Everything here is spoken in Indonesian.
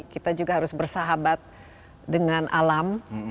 kita juga harus bersahabat dengan alam